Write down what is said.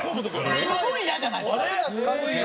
すごいイヤじゃないですか？